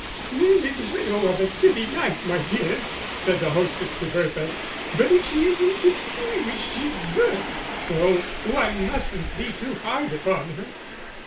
"Merely the widow of a city knight, my dear," said the hostess to Bertha, "but if she isn't distinguished, she's good; so one mustn't be too hard upon her."